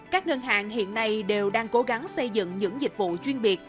các ngân hàng hiện nay đều đang cố gắng xây dựng những dịch vụ chuyên biệt